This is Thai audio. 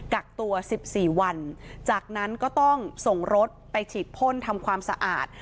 กักตัว๑๔วันจากนั้นก็ต้องส่งรถไปฉีดพ่นทำความสะอาด